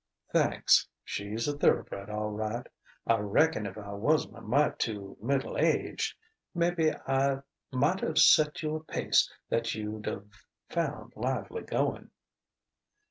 "Thanks.... She's a thoroughbred, all right. I reckon if I wasn't a mite too middle aged, maybe I might've set you a pace that you'd've found lively going."